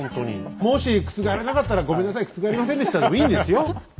もし覆らなかったら「ごめんなさい覆りませんでした」でもいいんですよ？